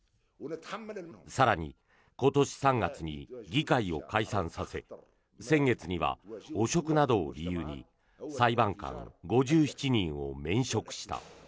更に、今年３月に議会を解散させ先月には汚職などを理由に裁判官５７人を免職した。